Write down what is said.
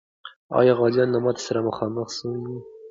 آیا غازیان له ماتي سره مخامخ سوي و؟